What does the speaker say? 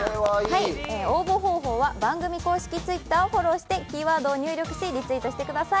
応募方法は番組公式Ｔｗｉｔｔｅｒをフォローしてキーワードを入力し、リツイートしてください。